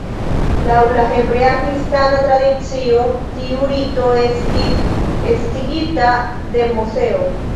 Laŭ la hebrea-kristana tradicio, tiu rito estis estigita de Moseo.